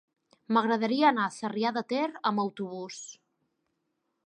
M'agradaria anar a Sarrià de Ter amb autobús.